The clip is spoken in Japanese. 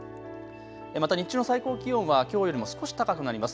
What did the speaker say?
また日中の最高気温はきょうよりも少し高くなります。